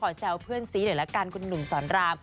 แซวเพื่อนซีหน่อยละกันคุณหนุ่มสอนราม